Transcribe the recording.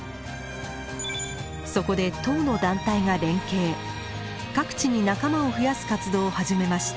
そこで１０の団体が連携各地に仲間を増やす活動を始めました。